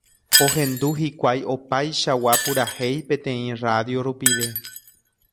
Ohendu hikuái opaichagua purahéi peteĩ radio rupive.